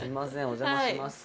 お邪魔します